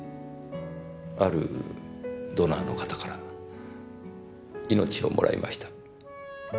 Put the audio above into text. あるドナーの方から命をもらいました。